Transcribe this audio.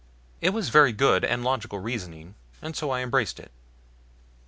It was very good, and logical reasoning, and so I embraced it.